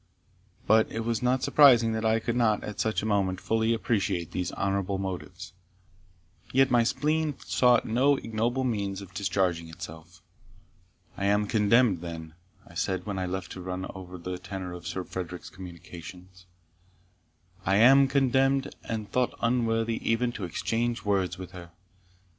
But it was not surprising that I could not, at such a moment, fully appreciate these honourable motives; yet my spleen sought no ignoble means of discharging itself. "I am contemned, then," I said, when left to run over the tenor of Sir Frederick's communications "I am contemned, and thought unworthy even to exchange words with her.